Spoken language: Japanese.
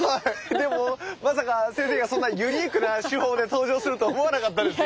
でもまさか先生がそんなユニークな手法で登場するとは思わなかったですよ。